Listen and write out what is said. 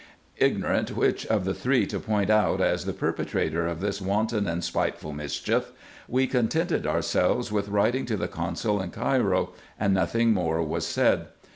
Ignorant which of the three to point out as the perpetrator of this wanton and spiteful mischief, we contented ourselves with writing to the consul at Cairo, and nothing more was said.